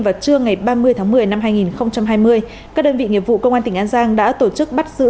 vào trưa ngày ba mươi tháng một mươi năm hai nghìn hai mươi các đơn vị nghiệp vụ công an tỉnh an giang đã tổ chức bắt giữ